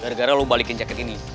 gara gara lo balikin jaket ini